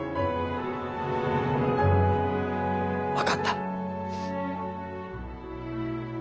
分かった。